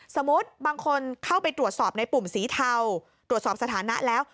สมมุติบางคนเข้าไปตรวจสอบในปุ่มสีเทาตรวจสอบสถานะแล้ว